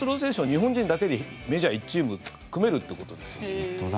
日本人だけでメジャー１チーム組めるということですよね。